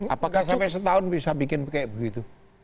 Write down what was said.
apakah sampai setahun bisa bikin kayak begitu